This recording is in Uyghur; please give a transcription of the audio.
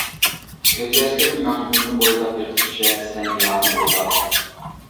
كۆز ياشلىرىم مەڭزىمنى بويلاپ، ئېقىپ چۈشەر سەن يارنى ئويلاپ.